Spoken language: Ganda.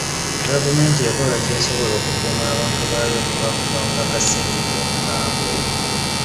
Gavumenti ekola ky'esobola okukuuma abantu baayo okuva ku kawuka ka ssenyiga omukambwe.